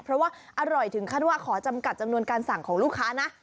เพราะว่าอร่อยถึงขั้นว่าขอจำกัดจำนวนการสั่งของลูกค้านะ